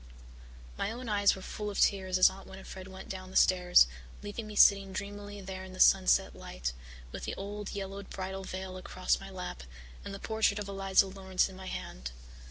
My own eyes were full of tears as Aunt Winnifred went down the stairs, leaving me sitting dreamily there in the sunset light, with the old yellowed bridal veil across my lap and the portrait of Eliza Laurance in my hand.